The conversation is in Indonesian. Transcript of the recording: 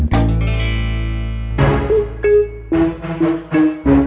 cuma buat ngisi waktu luar